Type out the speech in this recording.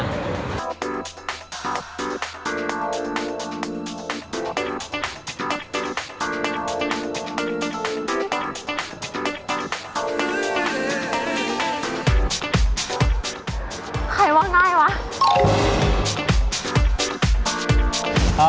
ใครว่าง่ายวะ